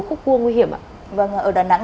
khúc cua nguy hiểm ạ vâng ở đà nẵng